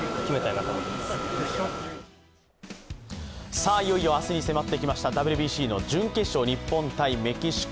さあ、いよいよ明日にせまってきましたＷＢＣの準決勝、日本×メキシコ。